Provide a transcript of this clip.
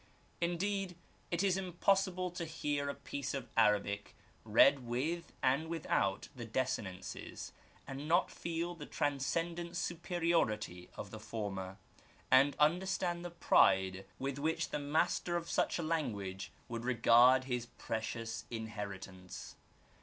Indeed, it is impossible to hear a piece of Arabic read with and without the desinences and not feel the transcendent superiority of the former, and understand the pride with which the master of such a language would regard his precious inheritance.